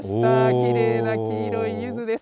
きれいな黄色いゆずです。